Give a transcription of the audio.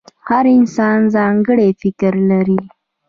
• هر انسان ځانګړی فکر لري.